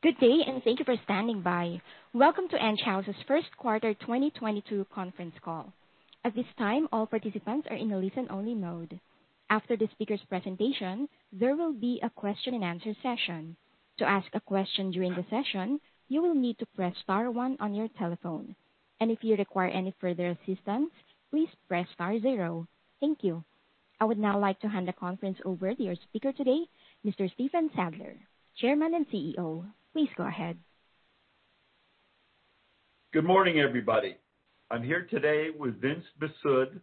Good day, and thank you for standing by. Welcome to Enghouse's first quarter 2022 conference call. At this time, all participants are in a listen-only mode. After the speaker's presentation, there will be a question and answer session. To ask a question during the session, you will need to press star one on your telephone. If you require any further assistance, please press star zero. Thank you. I would now like to hand the conference over to your speaker today, Mr. Stephen Sadler, Chairman and CEO. Please go ahead. Good morning, everybody. I'm here today with Vince Mifsud,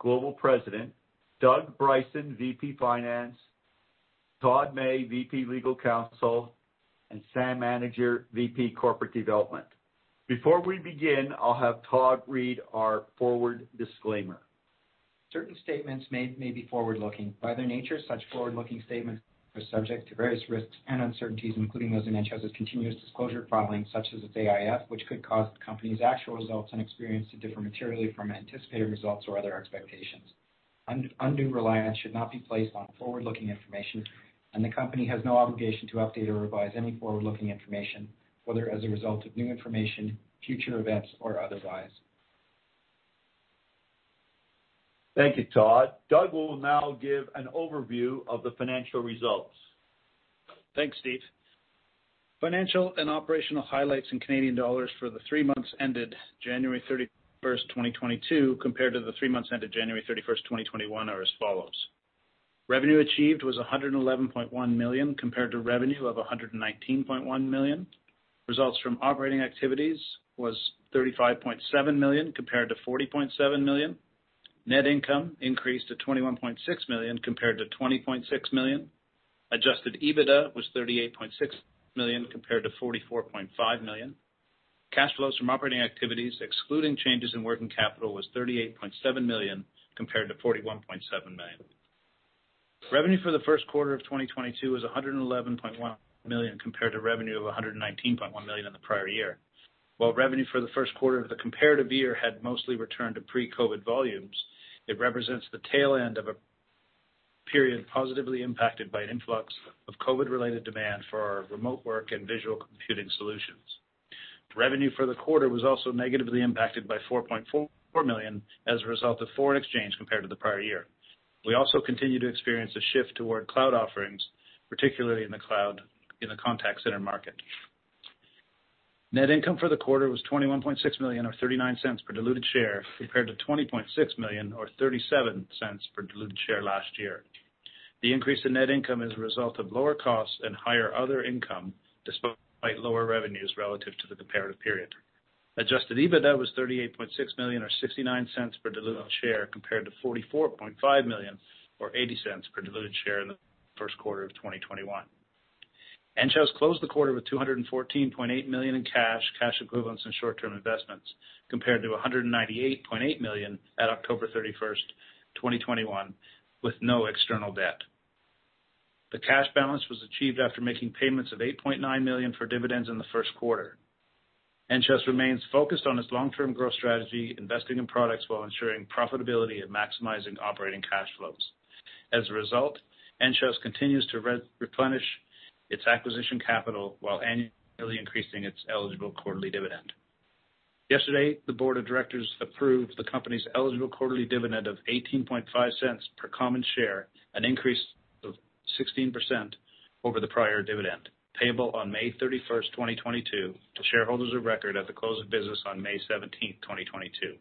Global President, Doug Bryson, VP Finance, Todd May, VP, Legal Counsel, and Sam Anidjar, VP Corporate Development. Before we begin, I'll have Todd read our forward disclaimer. Certain statements may be forward-looking. By their nature, such forward-looking statements are subject to various risks and uncertainties, including those in Enghouse's continuous disclosure filings, such as its AIF, which could cause the company's actual results and experience to differ materially from anticipated results or other expectations. Undue reliance should not be placed on forward-looking information, and the company has no obligation to update or revise any forward-looking information, whether as a result of new information, future events, or otherwise. Thank you, Todd. Doug will now give an overview of the financial results. Thanks, Steve. Financial and operational highlights in Canadian dollars for the three months ended January 31st, 2022, compared to the three months ended January 31st, 2021 are as follows. Revenue achieved was 111.1 million compared to revenue of 119.1 million. Results from operating activities was 35.7 million compared to 40.7 million. Net income increased to 21.6 million compared to 20.6 million. Adjusted EBITDA was 38.6 million compared to 44.5 million. Cash flows from operating activities, excluding changes in working capital, was 38.7 million compared to 41.7 million. Revenue for the first quarter of 2022 was 111.1 million compared to revenue of 119.1 million in the prior year. While revenue for the first quarter of the comparative year had mostly returned to pre-COVID volumes, it represents the tail end of a period positively impacted by an influx of COVID-related demand for our remote work and visual computing solutions. Revenue for the quarter was also negatively impacted by 4.4 million as a result of foreign exchange compared to the prior year. We also continue to experience a shift toward cloud offerings, particularly in the cloud contact center market. Net income for the quarter was 21.6 million or 0.39 per diluted share, compared to 20.6 million or 0.37 per diluted share last year. The increase in net income is a result of lower costs and higher other income, despite lower revenues relative to the comparative period. Adjusted EBITDA was 38.6 million or 0.69 per diluted share, compared to 44.5 million or 0.80 per diluted share in the first quarter of 2021. Enghouse closed the quarter with 214.8 million in cash equivalents, and short-term investments, compared to 198.8 million at October 31st, 2021, with no external debt. The cash balance was achieved after making payments of 8.9 million for dividends in the first quarter. Enghouse remains focused on its long-term growth strategy, investing in products while ensuring profitability and maximizing operating cash flows. As a result, Enghouse continues to replenish its acquisition capital while annually increasing its eligible quarterly dividend. Yesterday, the board of directors approved the company's eligible quarterly dividend of 0.185 per common share, an increase of 16% over the prior dividend, payable on May 31st, 2022 to shareholders of record at the close of business on May 17, 2022.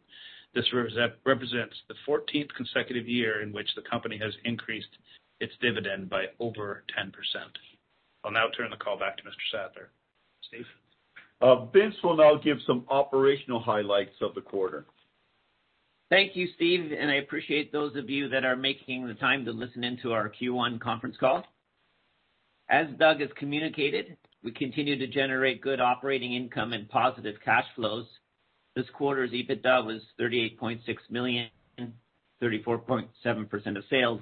This represents the 14th consecutive year in which the company has increased its dividend by over 10%. I'll now turn the call back to Mr. Sadler. Steve? Vince will now give some operational highlights of the quarter. Thank you, Steve. I appreciate those of you that are making the time to listen in to our Q1 conference call. As Doug has communicated, we continue to generate good operating income and positive cash flows. This quarter's EBITDA was 38.6 million, 34.7% of sales,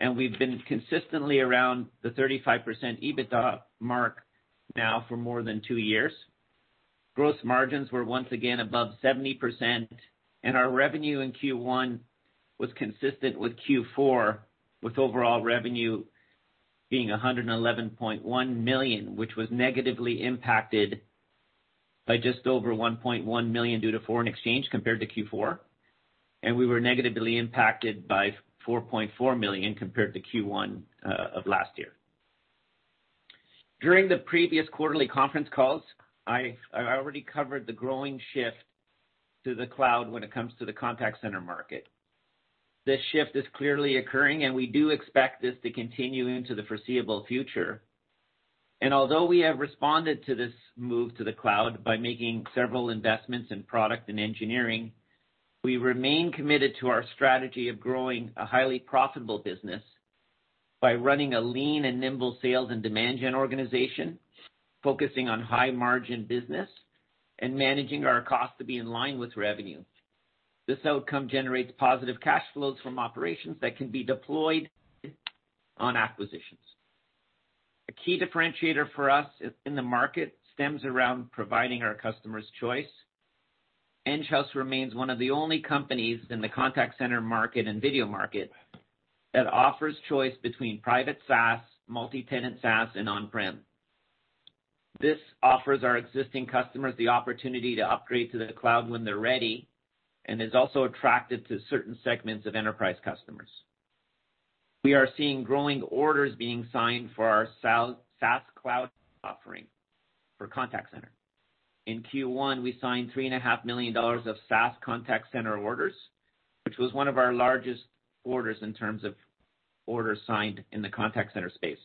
and we've been consistently around the 35% EBITDA mark now for more than two years. Gross margins were once again above 70%, and our revenue in Q1 was consistent with Q4, with overall revenue being 111.1 million, which was negatively impacted by just over 1.1 million due to foreign exchange compared to Q4. We were negatively impacted by 4.4 million compared to Q1 of last year. During the previous quarterly conference calls, I already covered the growing shift to the cloud when it comes to the contact center market. This shift is clearly occurring, and we do expect this to continue into the foreseeable future. Although we have responded to this move to the cloud by making several investments in product and engineering, we remain committed to our strategy of growing a highly profitable business by running a lean and nimble sales and demand gen organization, focusing on high-margin business and managing our cost to be in line with revenue. This outcome generates positive cash flows from operations that can be deployed on acquisitions. A key differentiator for us in the market centers around providing our customers choice. Enghouse remains one of the only companies in the contact center market and video market that offers choice between private SaaS, multi-tenant SaaS, and on-prem. This offers our existing customers the opportunity to upgrade to the cloud when they're ready, and is also attractive to certain segments of enterprise customers. We are seeing growing orders being signed for our SaaS cloud offering for contact center. In Q1, we signed 3.5 million dollars of SaaS contact center orders, which was one of our largest orders in terms of orders signed in the contact center space.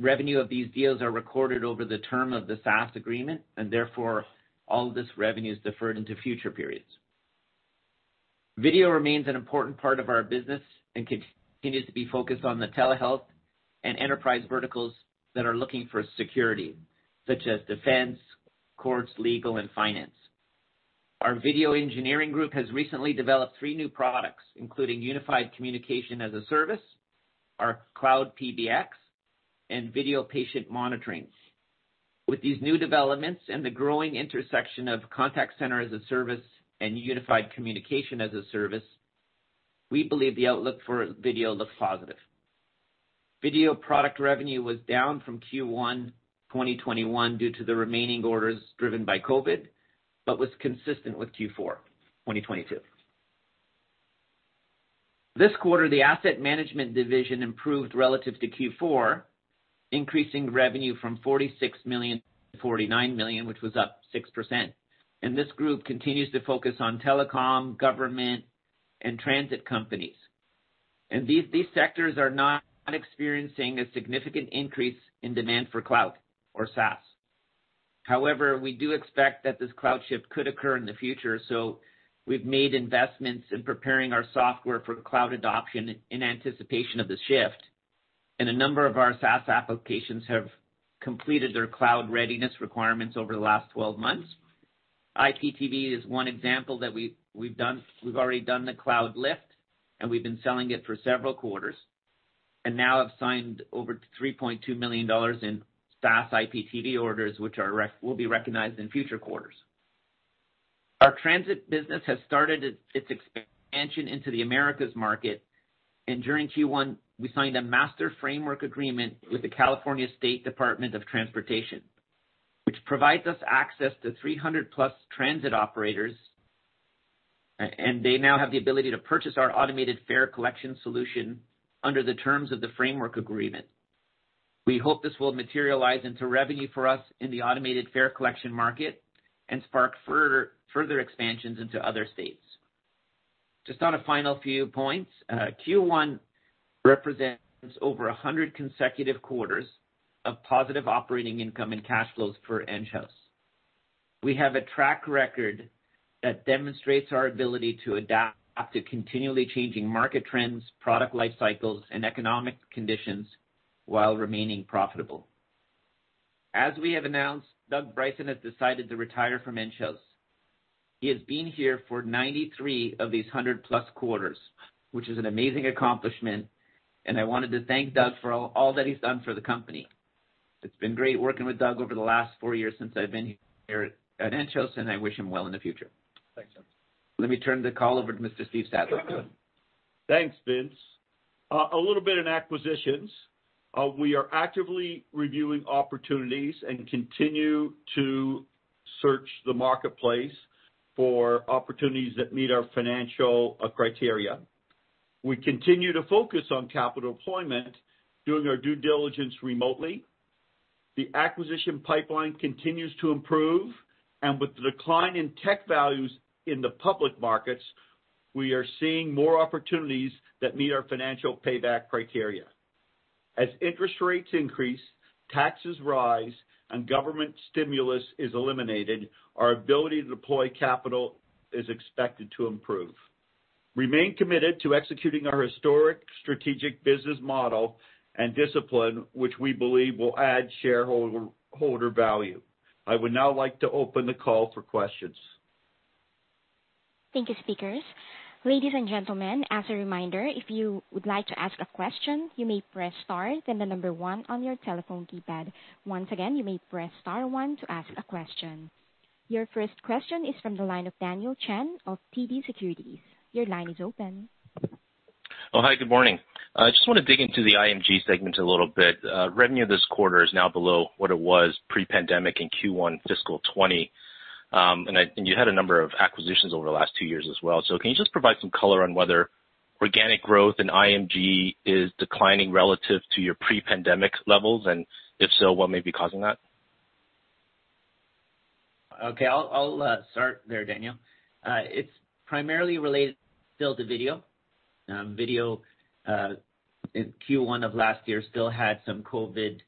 Revenue of these deals are recorded over the term of the SaaS agreement, and therefore, all of this revenue is deferred into future periods. Video remains an important part of our business and continues to be focused on the telehealth and enterprise verticals that are looking for security, such as defense, courts, legal, and finance. Our video engineering group has recently developed three new products, including unified communication as a service, our cloud PBX, and video patient monitoring. With these new developments and the growing intersection of contact center as a service and unified communication as a service, we believe the outlook for video looks positive. Video product revenue was down from Q1 2021 due to the remaining orders driven by COVID, but was consistent with Q4 2022. This quarter, the asset management division improved relative to Q4, increasing revenue from 46 million to 49 million, which was up 6%. This group continues to focus on telecom, government, and transit companies. These sectors are not experiencing a significant increase in demand for cloud or SaaS. However, we do expect that this cloud shift could occur in the future, so we've made investments in preparing our software for cloud adoption in anticipation of the shift. A number of our SaaS applications have completed their cloud readiness requirements over the last 12 months. IPTV is one example that we've done. We've already done the cloud lift, and we've been selling it for several quarters, and now have signed over 3.2 million dollars in SaaS IPTV orders, which will be recognized in future quarters. Our transit business has started its expansion into the Americas market, and during Q1, we signed a master framework agreement with the California Department of Transportation, which provides us access to 300+ transit operators. They now have the ability to purchase our automated fare collection solution under the terms of the framework agreement. We hope this will materialize into revenue for us in the automated fare collection market and spark further expansions into other states. Just on a final few points, Q1 represents over 100 consecutive quarters of positive operating income and cash flows for Enghouse. We have a track record that demonstrates our ability to adapt to continually changing market trends, product life cycles, and economic conditions while remaining profitable. As we have announced, Doug Bryson has decided to retire from Enghouse. He has been here for 93 of these 100+ quarters, which is an amazing accomplishment, and I wanted to thank Doug for all that he's done for the company. It's been great working with Doug over the last four years since I've been here at Enghouse, and I wish him well in the future. Thanks. Let me turn the call over to Mr. Steve Sadler. Thanks, Vince. A little bit in acquisitions. We are actively reviewing opportunities and continue to search the marketplace for opportunities that meet our financial criteria. We continue to focus on capital deployment, doing our due diligence remotely. The acquisition pipeline continues to improve, and with the decline in tech values in the public markets, we are seeing more opportunities that meet our financial payback criteria. As interest rates increase, taxes rise, and government stimulus is eliminated, our ability to deploy capital is expected to improve. We remain committed to executing our historic strategic business model and discipline, which we believe will add shareholder value. I would now like to open the call for questions. Thank you, speakers. Ladies and gentlemen, as a reminder, if you would like to ask a question, you may press star then the number one on your telephone keypad. Once again, you may press star one to ask a question. Your first question is from the line of Daniel Chan of TD Securities. Your line is open. Oh, hi, good morning. I just wanna dig into the IMG segment a little bit. Revenue this quarter is now below what it was pre-pandemic in Q1 fiscal 2020. You had a number of acquisitions over the last two years as well. Can you just provide some color on whether organic growth in IMG is declining relative to your pre-pandemic levels? And if so, what may be causing that? Okay. I'll start there, Daniel. It's primarily related still to video. Video in Q1 of last year still had some COVID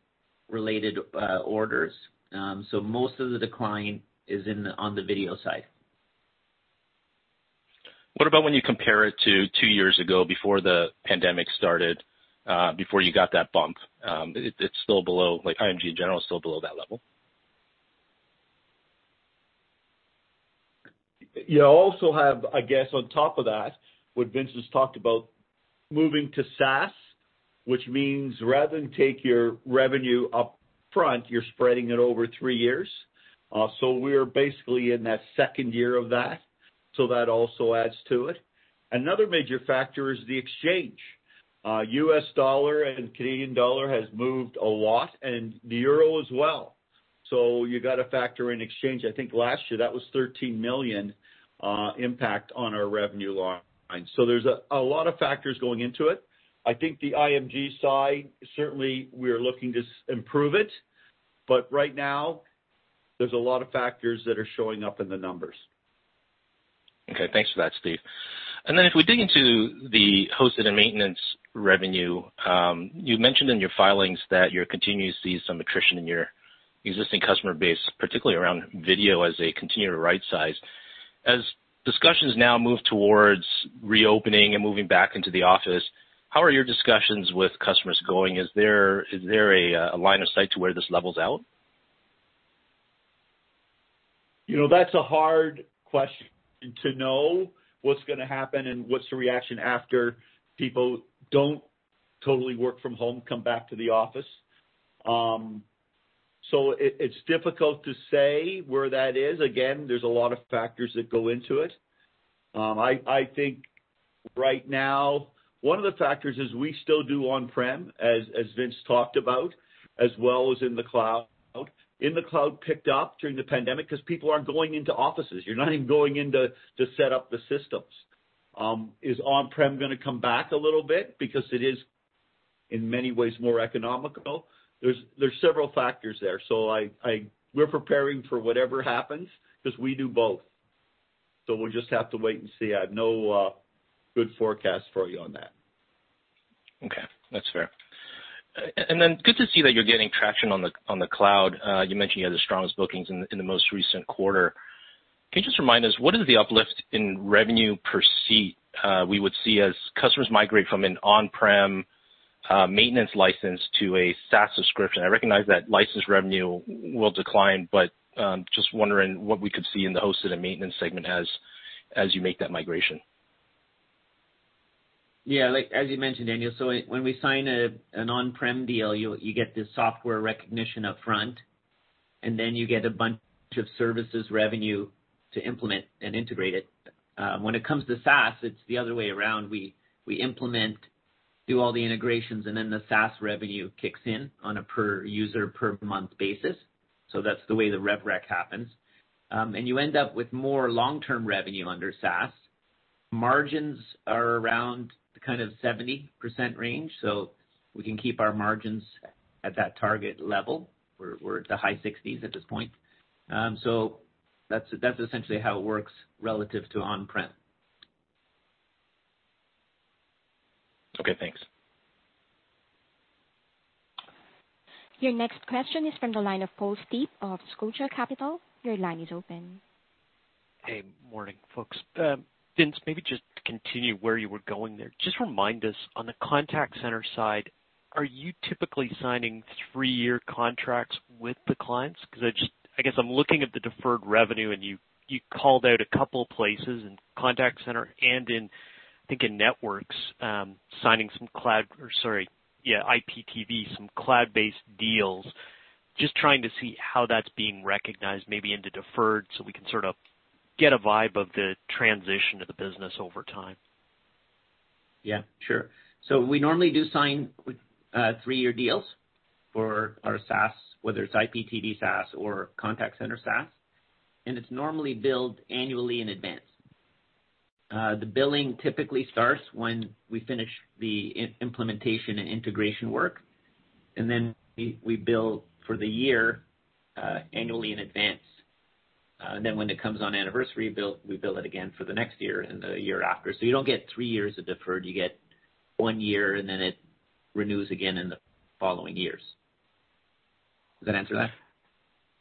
related orders. Most of the decline is on the video side. What about when you compare it to two years ago before the pandemic started, before you got that bump? It's still below. Like, IMG in general is still below that level. You also have, I guess, on top of that, what Vince has talked about moving to SaaS. Which means rather than take your revenue up front, you're spreading it over three years. We're basically in that second year of that. That also adds to it. Another major factor is the exchange. U.S. dollar and Canadian dollar has moved a lot, and the euro as well. You got to factor in exchange. I think last year, that was 13 million impact on our revenue line. There's a lot of factors going into it. I think the IMG side, certainly we're looking to improve it. But right now, there's a lot of factors that are showing up in the numbers. Okay. Thanks for that, Steve. If we dig into the hosted and maintenance revenue, you mentioned in your filings that you continue to see some attrition in your existing customer base, particularly around video, as they continue to right size. As discussions now move towards reopening and moving back into the office, how are your discussions with customers going? Is there a line of sight to where this levels out? You know, that's a hard question, to know what's gonna happen and what's the reaction after people don't totally work from home, come back to the office. It's difficult to say where that is. Again, there's a lot of factors that go into it. I think right now, one of the factors is we still do on-prem, as Vince talked about, as well as in the cloud. In the cloud picked up during the pandemic because people aren't going into offices. You're not even going in to set up the systems. Is on-prem gonna come back a little bit because it is, in many ways, more economical? There's several factors there. We're preparing for whatever happens because we do both. We'll just have to wait and see. I have no good forecast for you on that. Okay. That's fair. Good to see that you're getting traction on the cloud. You mentioned you had the strongest bookings in the most recent quarter. Can you just remind us what the uplift in revenue per seat we would see as customers migrate from an on-prem maintenance license to a SaaS subscription? I recognize that license revenue will decline, but just wondering what we could see in the hosted and maintenance segment as you make that migration. Yeah. Like, as you mentioned, Daniel, when we sign an on-prem deal, you get the software recognition upfront, and then you get a bunch of services revenue to implement and integrate it. When it comes to SaaS, it's the other way around. We implement, do all the integrations, and then the SaaS revenue kicks in on a per user, per month basis. That's the way the rev rec happens. You end up with more long-term revenue under SaaS. Margins are around the kind of 70% range, so we can keep our margins at that target level. We're at the high 60s at this point. That's essentially how it works relative to on-prem. Okay, thanks. Your next question is from the line of Paul Steep of Scotia Capital. Your line is open. Hey. Morning, folks. Vince, maybe just to continue where you were going there, just remind us, on the contact center side, are you typically signing three-year contracts with the clients? Because I guess I'm looking at the deferred revenue, and you called out a couple of places in contact center and in, I think, in networks, signing some IPTV, some cloud-based deals. Just trying to see how that's being recognized, maybe in the deferred, so we can sort of get a vibe of the transition of the business over time. Yeah, sure. We normally do sign three-year deals for our SaaS, whether it's IPTV SaaS or contact center SaaS, and it's normally billed annually in advance. The billing typically starts when we finish the implementation and integration work, and then we bill for the year annually in advance. Then when it comes on anniversary bill, we bill it again for the next year and the year after. You don't get three years of deferred. You get one year, and then it renews again in the following years. Does that answer that?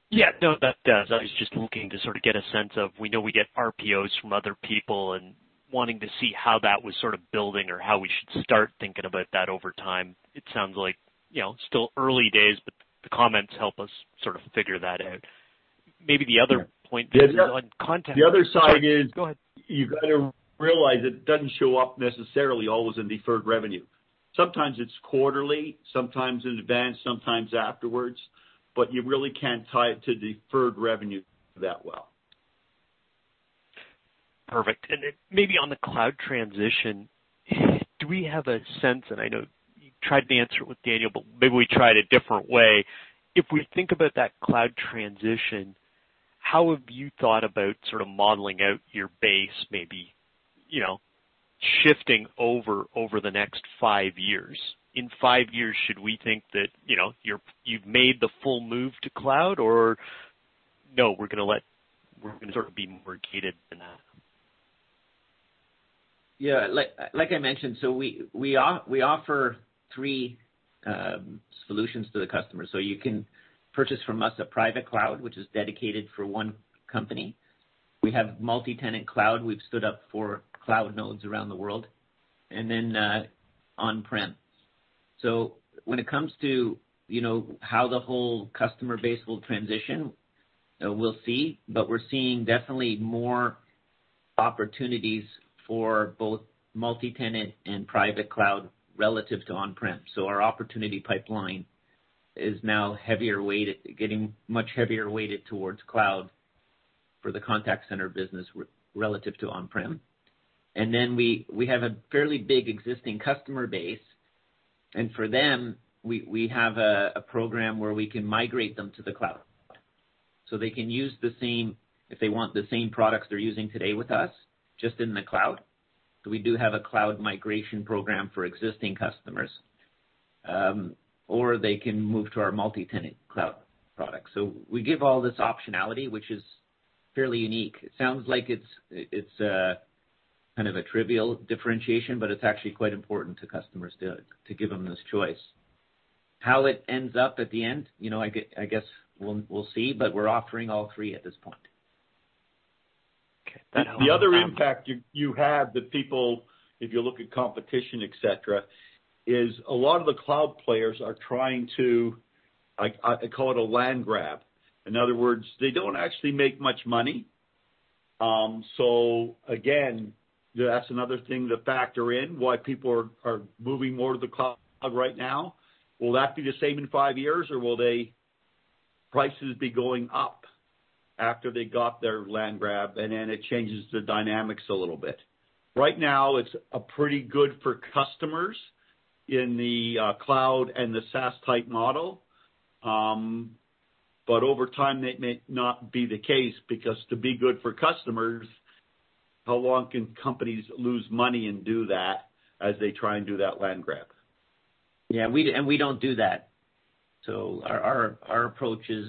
Yeah. No, that does. I was just looking to sort of get a sense of, we know we get RPOs from other people and wanting to see how that was sort of building or how we should start thinking about that over time. It sounds like, you know, still early days, but the comments help us sort of figure that out. Maybe the other point on contact- The other side is. Go ahead. You've got to realize it doesn't show up necessarily always in deferred revenue. Sometimes it's quarterly, sometimes in advance, sometimes afterwards, but you really can't tie it to deferred revenue that well. Perfect. Maybe on the cloud transition, do we have a sense, and I know you tried to answer it with Daniel, but maybe we try it a different way. If we think about that cloud transition, how have you thought about sort of modeling out your base, maybe, you know, shifting over the next five years? In five years, should we think that, you know, you've made the full move to cloud? Or no, we're gonna sort of be more gated than that. Yeah. Like I mentioned, we offer three solutions to the customer. You can purchase from us a private cloud, which is dedicated for one company. We have multi-tenant cloud. We've stood up four cloud nodes around the world. On-prem. When it comes to, you know, how the whole customer base will transition, we'll see. We're seeing definitely more opportunities for both multi-tenant and private cloud relative to on-prem. Our opportunity pipeline is now heavier weighted, getting much heavier weighted towards cloud for the contact center business relative to on-prem. We have a fairly big existing customer base, and for them, we have a program where we can migrate them to the cloud. They can use the same, if they want, the same products they're using today with us, just in the cloud. We do have a cloud migration program for existing customers. They can move to our multi-tenant cloud product. We give all this optionality, which is fairly unique. It sounds like it's kind of a trivial differentiation, but it's actually quite important to customers to give them this choice. How it ends up at the end, I guess we'll see, but we're offering all three at this point. Okay. The other impact you have that people, if you look at competition, et cetera, is a lot of the cloud players are trying to. I call it a land grab. In other words, they don't actually make much money. So again, that's another thing to factor in, why people are moving more to the cloud right now. Will that be the same in five years, or will their prices be going up after they got their land grab, and then it changes the dynamics a little bit. Right now, it's pretty good for customers in the cloud and the SaaS-type model. But over time that may not be the case because to be good for customers, how long can companies lose money and do that as they try and do that land grab? Yeah, we don't do that. Our approach is,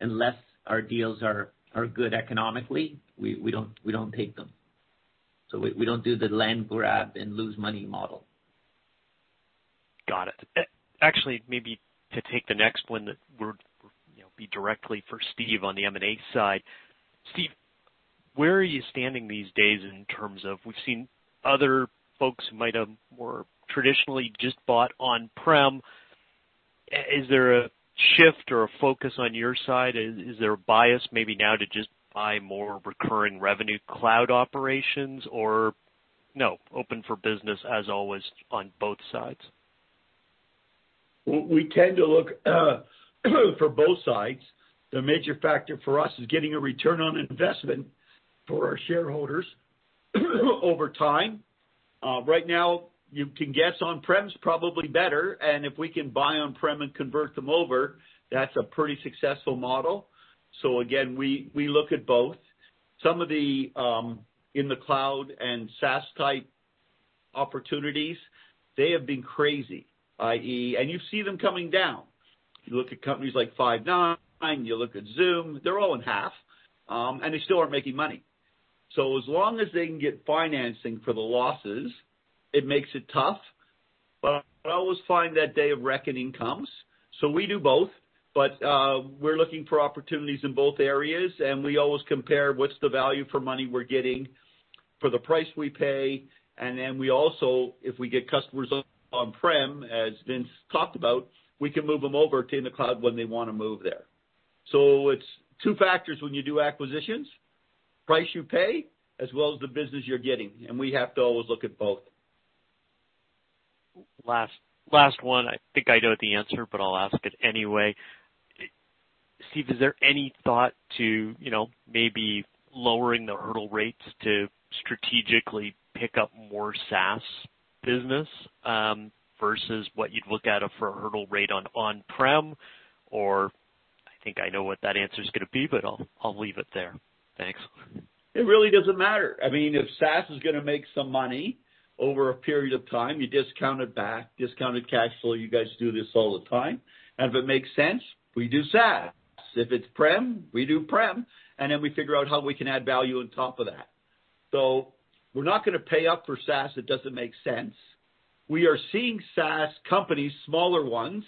unless our deals are good economically, we don't take them. We don't do the land grab and lose money model. Got it. Actually, maybe to take the next one that would, you know, be directly for Steve on the M&A side. Steve, where are you standing these days in terms of we've seen other folks who might have more traditionally just bought on-prem. Is there a shift or a focus on your side? Is there a bias maybe now to just buy more recurring revenue cloud operations, or no, open for business as always on both sides? We tend to look for both sides. The major factor for us is getting a return on investment for our shareholders, over time. Right now, you can guess on-prem is probably better. If we can buy on-prem and convert them over, that's a pretty successful model. Again, we look at both. Some of them in the cloud and SaaS-type opportunities, they have been crazy, i.e., and you see them coming down. You look at companies like Five9, you look at Zoom, they're all in half, and they still aren't making money. As long as they can get financing for the losses, it makes it tough. I always find that day of reckoning comes. We do both, but we're looking for opportunities in both areas, and we always compare what's the value for money we're getting for the price we pay. Then we also, if we get customers on on-prem, as Vince talked about, we can move them over to the cloud when they wanna move there. It's two factors when you do acquisitions, price you pay, as well as the business you're getting, and we have to always look at both. Last one. I think I know the answer, but I'll ask it anyway. Steve, is there any thought to, you know, maybe lowering the hurdle rates to strategically pick up more SaaS business versus what you'd look at for a hurdle rate on on-prem? Or I think I know what that answer is gonna be, but I'll leave it there. Thanks. It really doesn't matter. I mean, if SaaS is gonna make some money over a period of time, you discount it back, discounted cash flow, you guys do this all the time. If it makes sense, we do SaaS. If it's prem, we do prem, and then we figure out how we can add value on top of that. We're not gonna pay up for SaaS if doesn't make sense. We are seeing SaaS companies, smaller ones,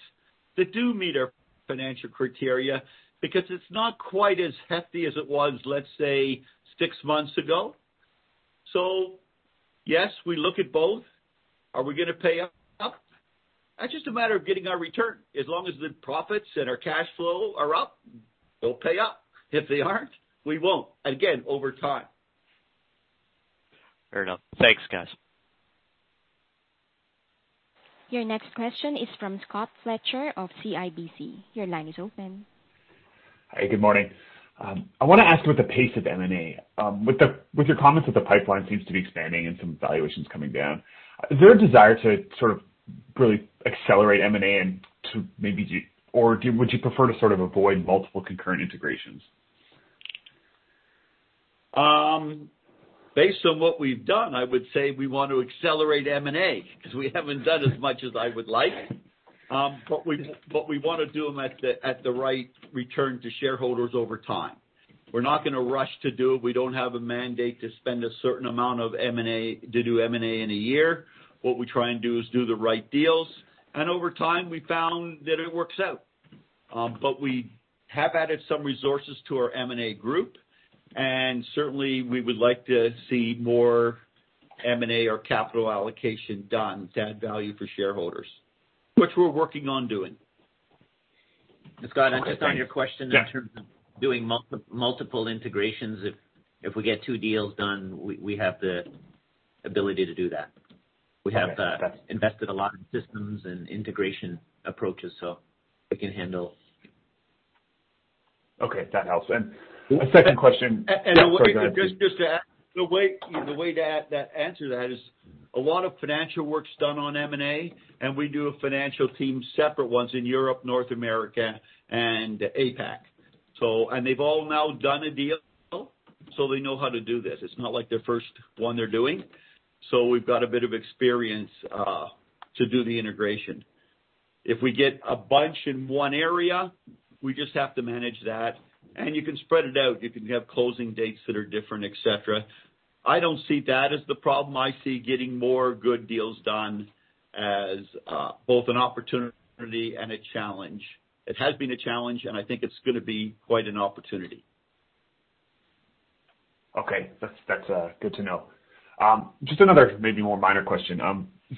that do meet our financial criteria because it's not quite as hefty as it was, let's say, six months ago. Yes, we look at both. Are we gonna pay up? That's just a matter of getting our return. As long as the profits and our cash flow are up, we'll pay up. If they aren't, we won't, again, over time. Fair enough. Thanks, guys. Your next question is from Scott Fletcher of CIBC. Your line is open. Hi, good morning. I wanna ask about the pace of M&A. With your comments that the pipeline seems to be expanding and some valuations coming down, is there a desire to sort of really accelerate M&A and to maybe do or do you prefer to sort of avoid multiple concurrent integrations? Based on what we've done, I would say we want to accelerate M&A 'cause we haven't done as much as I would like. We wanna do them at the right return to shareholders over time. We're not gonna rush to do it. We don't have a mandate to spend a certain amount of M&A, to do M&A in a year. What we try and do is do the right deals, and over time, we found that it works out. We have added some resources to our M&A group, and certainly, we would like to see more M&A or capital allocation done to add value for shareholders, which we're working on doing. Scott, just on your question. Yeah. In terms of doing multiple integrations, if we get two deals done, we have the ability to do that. Okay. We have invested a lot in systems and integration approaches, so we can handle. Okay, that helps. A second question- Just to add, the way to add that answer to that is a lot of financial work is done on M&A, and we have a financial team, separate ones in Europe, North America and APAC. They've all now done a deal, so they know how to do this. It's not like the first one they're doing. We've got a bit of experience to do the integration. If we get a bunch in one area, we just have to manage that. You can spread it out. You can have closing dates that are different, et cetera. I don't see that as the problem. I see getting more good deals done as both an opportunity and a challenge. It has been a challenge, and I think it's gonna be quite an opportunity. Okay. That's good to know. Just another maybe more minor question.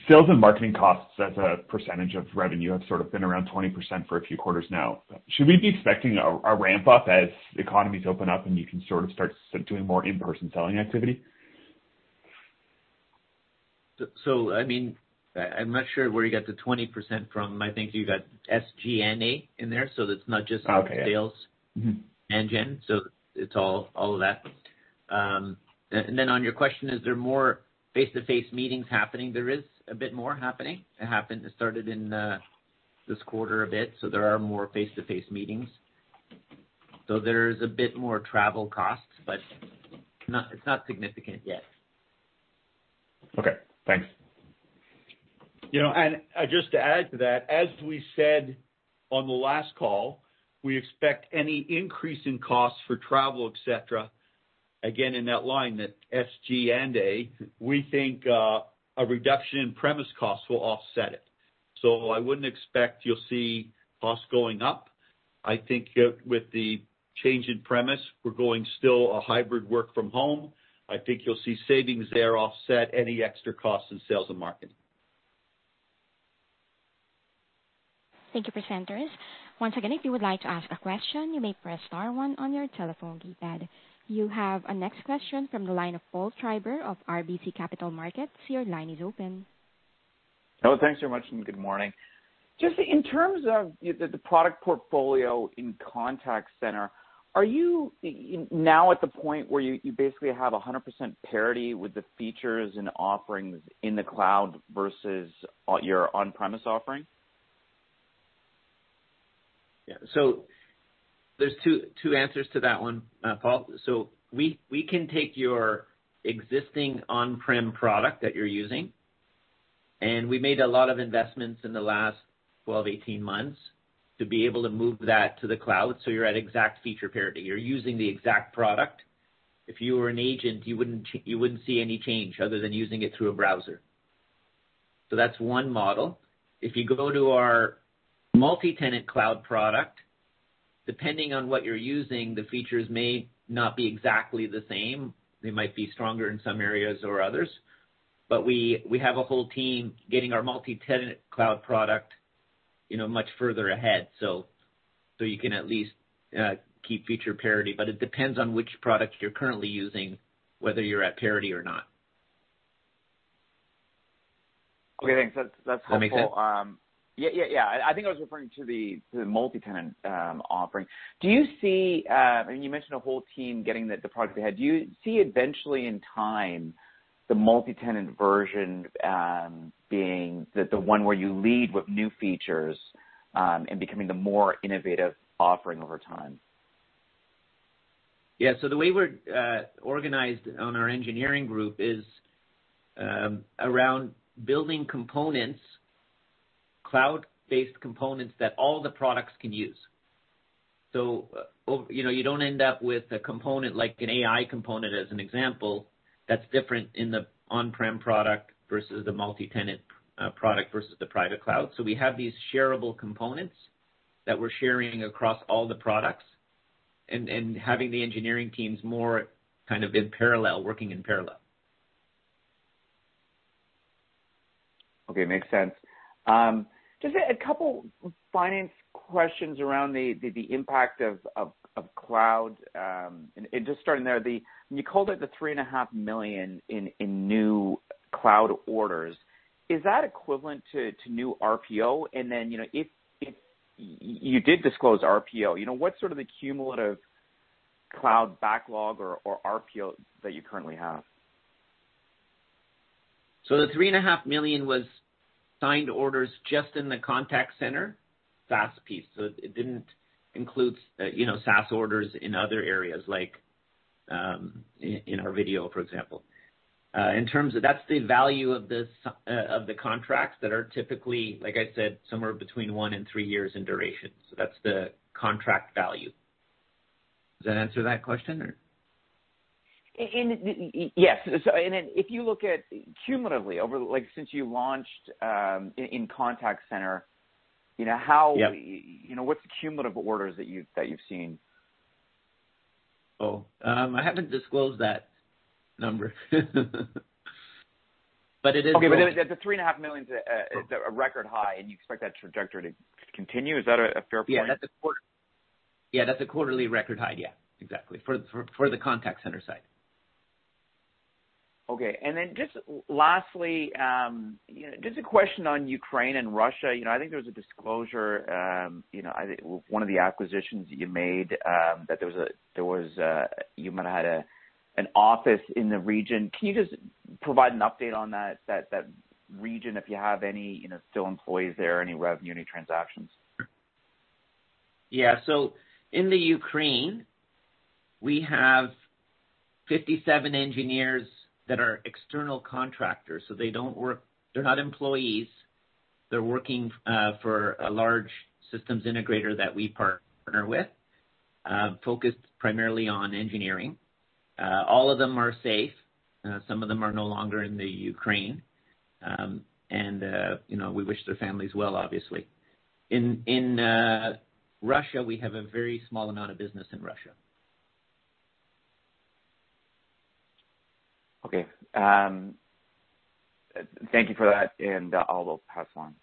Sales and marketing costs as a percentage of revenue have sort of been around 20% for a few quarters now. Should we be expecting a ramp-up as economies open up and you can sort of start doing more in-person selling activity? I mean, I'm not sure where you got the 20% from. I think you got SG&A in there, so it's not just- Okay. SG&A, it's all of that. On your question, is there more face-to-face meetings happening? There is a bit more happening. It started in this quarter a bit, so there are more face-to-face meetings. There's a bit more travel costs, but it's not significant yet. Okay, thanks. You know, just to add to that, as we said on the last call, we expect any increase in costs for travel, et cetera, again, in that line, that SG&A, we think, a reduction in premise costs will offset it. I wouldn't expect you'll see costs going up. I think with the change in premise, we're going still a hybrid work from home. I think you'll see savings there offset any extra costs in sales and marketing. Thank you, presenters. Once again, if you would like to ask a question, you may press star one on your telephone keypad. You have a next question from the line of Paul Treiber of RBC Capital Markets. Your line is open. Oh, thanks very much, and good morning. Just in terms of the product portfolio in contact center, are you now at the point where you basically have 100% parity with the features and offerings in the cloud versus your on-premise offering? Yeah. There's two answers to that one, Paul. We can take your existing on-prem product that you're using, and we made a lot of investments in the last 12 months, 18 months to be able to move that to the cloud. You're at exact feature parity. You're using the exact product. If you were an agent, you wouldn't see any change other than using it through a browser. That's one model. If you go to our multi-tenant cloud product, depending on what you're using, the features may not be exactly the same. They might be stronger in some areas or others, but we have a whole team getting our multi-tenant cloud product, you know, much further ahead. you can at least keep feature parity, but it depends on which product you're currently using, whether you're at parity or not. Okay. Thanks. That's helpful. That make sense? I think I was referring to the multi-tenant offering. Do you see, I mean, you mentioned a whole team getting the product ahead. Do you see eventually in time the multi-tenant version being the one where you lead with new features and becoming the more innovative offering over time? Yeah. The way we're organized on our engineering group is around building components, cloud-based components that all the products can use. You know, you don't end up with a component like an AI component, as an example, that's different in the on-prem product versus the multi-tenant product versus the private cloud. We have these shareable components that we're sharing across all the products and having the engineering teams more kind of in parallel, working in parallel. Okay. Makes sense. Just a couple finance questions around the impact of cloud, just starting there, you called it the 3.5 million in new cloud orders. Is that equivalent to new RPO? Then, you know, if you did disclose RPO, you know, what's sort of the cumulative cloud backlog or RPO that you currently have? The 3.5 million was signed orders just in the contact center SaaS piece. It didn't include, you know, SaaS orders in other areas like, in our video, for example. That's the value of the contracts that are typically, like I said, somewhere between one and three years in duration. That's the contract value. Does that answer that question or? Yes. And then if you look at cumulatively over, like, since you launched in contact center, you know, how- Yeah. You know, what's the cumulative orders that you've seen? I haven't disclosed that number. It is The 3.5 million is a record high, and you expect that trajectory to continue. Is that a fair point? Yeah, that's a quarterly record high. Yeah, exactly. For the contact center side. Okay. Just lastly, just a question on Ukraine and Russia. You know, I think there was a disclosure, you know, I think one of the acquisitions that you made, that there was a. You might have had an office in the region. Can you just provide an update on that region, if you have any, you know, still employees there, any revenue, any transactions? In the Ukraine, we have 57 engineers that are external contractors, so they don't work. They're not employees. They're working for a large systems integrator that we partner with, focused primarily on engineering. All of them are safe. Some of them are no longer in the Ukraine. You know, we wish their families well, obviously. In Russia, we have a very small amount of business in Russia. Okay. Thank you for that, and I will pass on.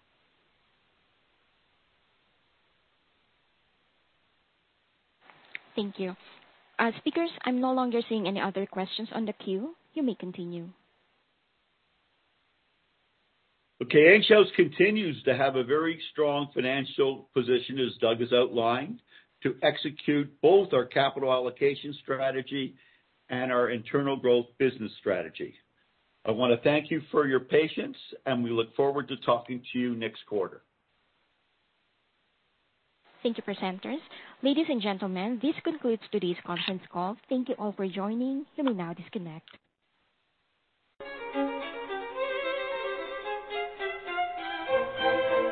Thank you. Speakers, I'm no longer seeing any other questions on the queue. You may continue. Okay. Enghouse continues to have a very strong financial position, as Doug has outlined, to execute both our capital allocation strategy and our internal growth business strategy. I wanna thank you for your patience, and we look forward to talking to you next quarter. Thank you, presenters. Ladies and gentlemen, this concludes today's conference call. Thank you all for joining. You may now disconnect.